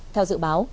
theo dự báo